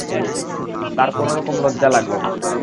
তার কোনো রকম লজ্জা লাগল না।